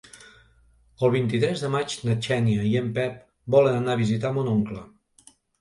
El vint-i-tres de maig na Xènia i en Pep volen anar a visitar mon oncle.